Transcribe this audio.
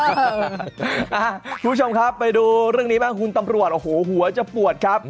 คุณผู้ชมครับไปดูเรื่องนี้บ้างคุณตำรวจโอ้โหหัวจะปวดครับ